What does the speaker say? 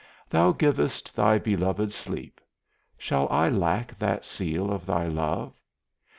Thou givest thy beloved sleep: shall I lack that seal of thy love?